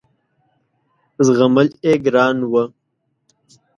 زغمل یې ګران وه.